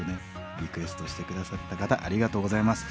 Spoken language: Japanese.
リクエストして下さった方ありがとうございます。